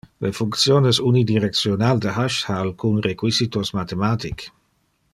Le functiones unidirectional de hash ha alcun requisitos mathematic.